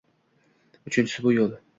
Uchinchisi, bu – yoʻl.